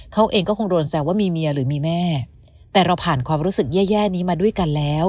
เขาเองก็คงโดนแซวว่ามีเมียหรือมีแม่แต่เราผ่านความรู้สึกแย่นี้มาด้วยกันแล้ว